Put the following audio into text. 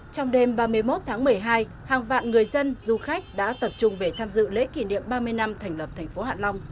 trong đêm ba mươi một tháng một mươi hai hàng vạn người dân du khách đã tập trung về tham dự lễ kỷ niệm ba mươi năm thành lập thành phố hạ long